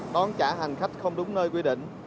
đón trả hành khách không đúng nơi quy định